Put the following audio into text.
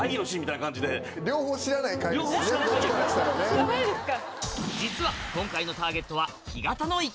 知らないですか？